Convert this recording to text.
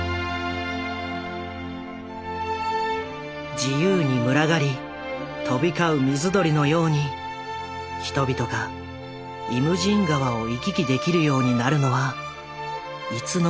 「自由にむらがり飛びかう水鳥」のように人々が「イムジン河」を行き来できるようになるのはいつの日なのか。